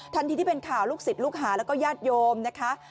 ที่เป็นข่าวลูกศิษย์ลูกหาแล้วก็ญาติโยมนะคะ